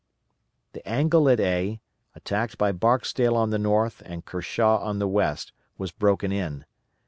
The angle at A, attacked by Barksdale on the north and Kershaw on the west, was broken in.